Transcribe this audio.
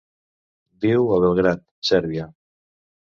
Viu a Belgrad, Sèrbia.